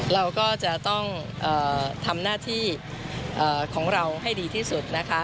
เราก็จะต้องทำหน้าที่ของเราให้ดีที่สุดนะคะ